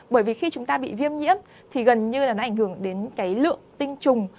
bởi vì khi chúng ta bị viêm nhiễm thì gần như là nó ảnh hưởng đến cái lượng tinh trùng